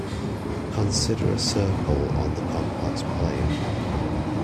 Consider a circle on the complex plane.